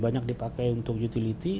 banyak dipakai untuk utility